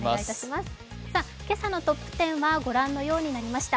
今朝のトップ１０はご覧のようになりました。